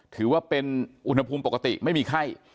ถือว่าเป็นอุณหภูมิปกติไม่มีไข้